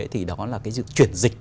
thì đó là cái chuyển dịch